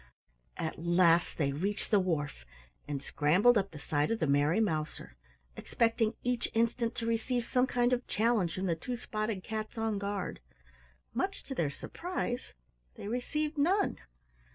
At last they reached the wharf and scrambled up the side of the Merry Mouser, expecting each instant to receive some kind of challenge from the two spotted cats on guard. Much to their surprise they received none.